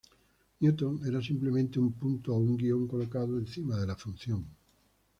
Newton era simplemente un punto o un guion colocado encima de la función.